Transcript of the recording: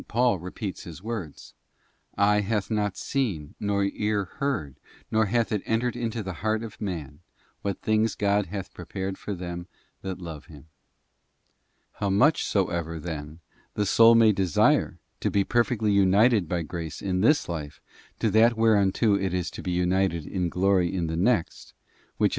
Paul repeats his words, ' Eye hath not seen, nor ear heard, neither hath it entered into the heart of man, what things God hath prepared for them that love Him.' How much soever, then, the soul may desire to be perfectly united by grace in this life to that whereunto it is, to be united in glory in the next, which as 8.